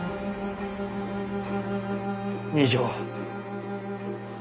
二条。